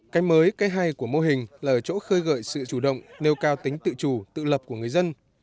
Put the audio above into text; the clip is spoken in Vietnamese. cái mới cái hay của mô hình là ở chỗ khơi gợi sự chủ động nêu cao tính tự chủ tự lập của người dân